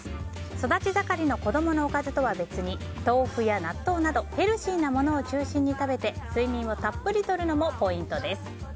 育ち盛りの子供のおかずとは別に豆腐や納豆などヘルシーなものを中心に食べて睡眠をたっぷりとるのもポイントです。